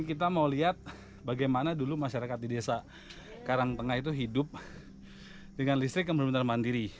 kita mau lihat bagaimana dulu masyarakat di desa karangtengah itu hidup dengan listrik yang benar benar mandiri